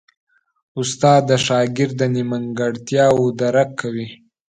استاد د شاګرد نیمګړتیاوې درک کوي.